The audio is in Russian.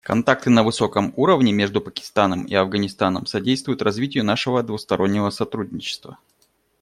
Контакты на высоком уровне между Пакистаном и Афганистаном содействуют развитию нашего двустороннего сотрудничества.